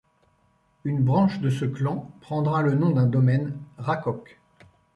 Une branche de ce clan prendra le nom d'un domaine, Rákóc.